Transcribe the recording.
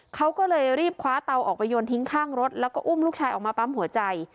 เขาก็เลยรีบคว้าเตาออกไปโยนทิ้งข้างรถแล้วก็อุ้มลูกชายออกมาปั๊มหัวใจ